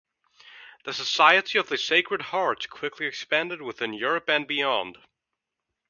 The Society of the Sacred Heart quickly expanded within Europe and beyond.